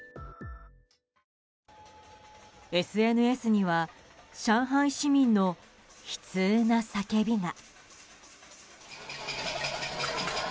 ＳＮＳには上海市民の悲痛な叫びが。